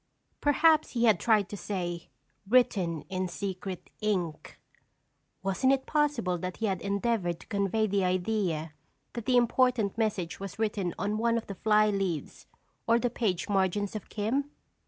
Perhaps he had tried to say: "Written in secret ink." Wasn't it possible that he had endeavored to convey the idea that the important message was written on one of the fly leaves or the page margins of "Kim"?